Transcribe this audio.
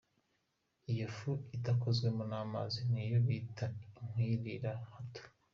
Iyo fu itakozweho n’amazi niyo bita inkirirahato.